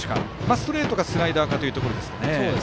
ストレートかスライダーかというところでしょうかね。